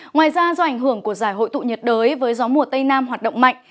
ngoài ra do ảnh hưởng của giải hội tụ nhiệt đới với gió mùa tây nam hoạt động mạnh